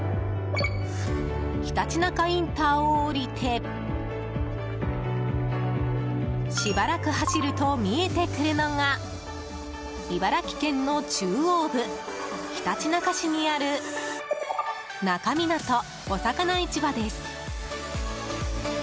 ひたちなかインターを降りてしばらく走ると見えてくるのが茨城県の中央部ひたちなか市にある那珂湊おさかな市場です。